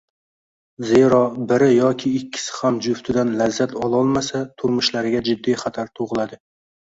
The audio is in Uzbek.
Zero, biri yoki ikkisi ham juftidan lazzat ololmasa, turmushlariga jiddiy xatar tug‘iladi.